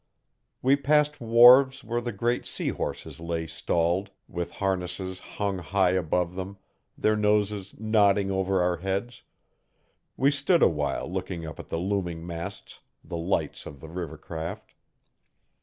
We passed wharves where the great sea horses lay stalled, with harnesses hung high above them, their noses nodding over our heads; we stood awhile looking up at the looming masts, the lights of the river craft.